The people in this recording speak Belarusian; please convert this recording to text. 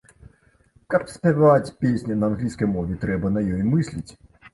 Каб спяваць песні на англійскай мове, трэба на ёй мысліць.